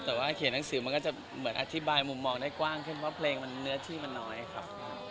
แต่ว่าเขียนหนังสือมันก็จะเหมือนอธิบายมุมมองได้กว้างขึ้นเพราะเพลงมันเนื้อที่มันน้อยครับ